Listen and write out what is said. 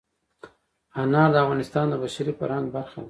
انار د افغانستان د بشري فرهنګ برخه ده.